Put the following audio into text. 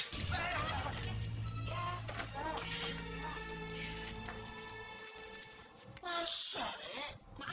gimana dong nih apa dilepas aja deh pak